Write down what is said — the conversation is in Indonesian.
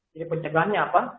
jadi pencegahannya apa